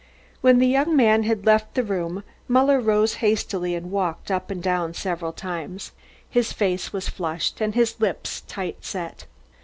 When the young man had left the room Muller rose hastily and walked up and down several times. His face was flushed and his lips tight set.